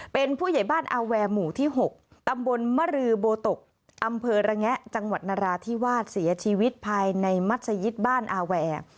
เป็นผู้ใหญ่บ้านอาแวร์หมู่ที่๖ตำบลมรือโบตกอำเภอระแงะจังหวัดนราธิวาสเสียชีวิตภายในมัศยิตบ้านอาแวร์